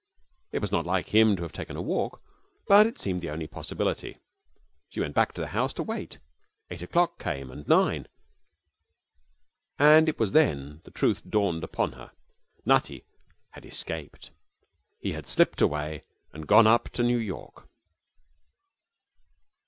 It was not like him to have taken a walk, but it seemed the only possibility. She went back to the house to wait. Eight o'clock came, and nine, and it was then the truth dawned upon her Nutty had escaped. He had slipped away and gone up to New York.